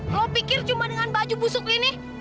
lo pikir cuma dengan baju busuk ini